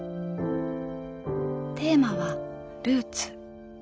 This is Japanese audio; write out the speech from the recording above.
テーマは「ルーツ」。